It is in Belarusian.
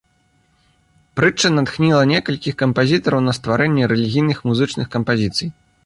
Прытча натхніла некалькіх кампазітараў на стварэнне рэлігійных музычных кампазіцый.